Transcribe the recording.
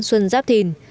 xuân giáp thìn